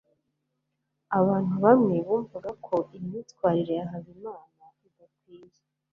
abantu bamwe bumvaga ko imyitwarire ya habimana idakwiye